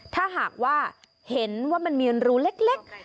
ถ้าหากว่าเห็นว่ามันมีรูเล็ก